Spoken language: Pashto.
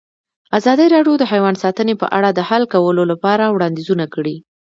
ازادي راډیو د حیوان ساتنه په اړه د حل کولو لپاره وړاندیزونه کړي.